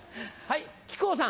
はい。